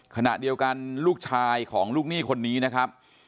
ขณะเดียวกันลูกชายของลูกหนี้คนนี้นะครับ